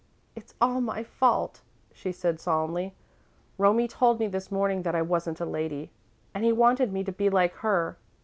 "It's all my fault," she said, solemnly. "Romie told me this morning that I wasn't a lady, and he wanted me to be like her.